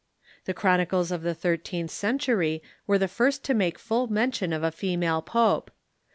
The chronicles of the thirteenth century were the first to make full mention of a female pope.